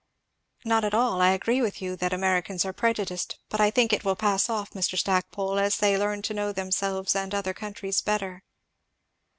"Not at all I agree with you, that Americans are prejudiced; but I think it will pass off, Mr. Stackpole, as they learn to know themselves and other countries better."